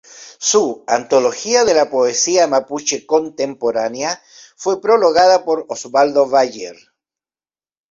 Su "Antología de la Poesía Mapuche Contemporánea" fue prologada por Osvaldo Bayer.